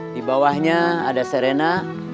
di bawahnya ada serena